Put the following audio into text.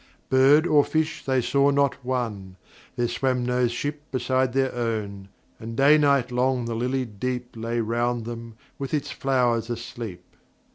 Bird or fish they saw not one; There swam no ship beside their own, And day night long the lilied Deep Lay round them, with its flowers asleep.